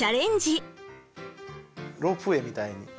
ロープウエーみたいに。